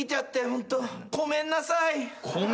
ホントこめんなさい。